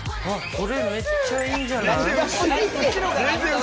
これめっちゃいいんじゃない？